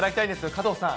加藤さん。